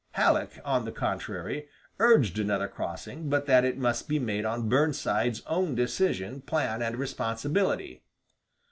Halleck, on the contrary, urged another crossing, but that it must be made on Burnside's own decision, plan, and responsibility.